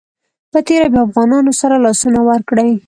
په تېره بیا افغانانو سره لاسونه ورکړي.